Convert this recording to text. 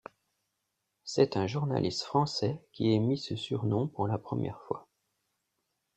C'est un journaliste français qui émit ce surnom pour la première fois.